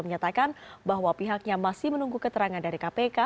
menyatakan bahwa pihaknya masih menunggu keterangan dari kpk